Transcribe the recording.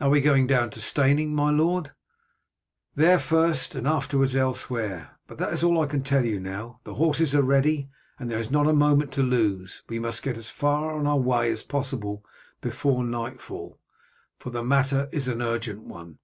Are we going down to Steyning, my lord?" "There first and afterwards elsewhere, but that is all I can tell you now. The horses are ready, and there is not a moment to lose. We must get as far on our way as possible before nightfall, for the matter is an urgent one."